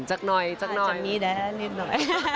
จะต้องน่อยอาจจะมีแดนนิดหน่อย